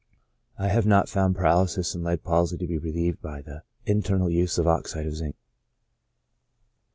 I have not found paralysis and lead palsy to be relieved by the internal use of oxide of zinc.